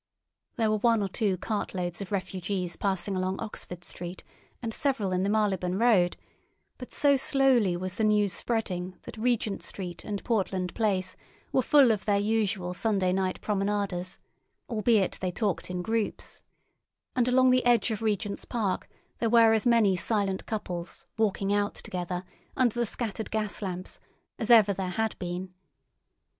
There were one or two cartloads of refugees passing along Oxford Street, and several in the Marylebone Road, but so slowly was the news spreading that Regent Street and Portland Place were full of their usual Sunday night promenaders, albeit they talked in groups, and along the edge of Regent's Park there were as many silent couples "walking out" together under the scattered gas lamps as ever there had been.